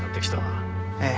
ええ。